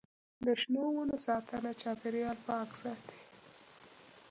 د شنو ونو ساتنه چاپیریال پاک ساتي.